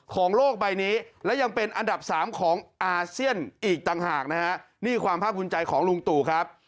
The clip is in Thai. ของโลกใบนี้และยังเป็นอันดับสามของอาเซียนอีกต่างหากนะฮะนี่ความภาพภูมิใจของลุงตู่ครับ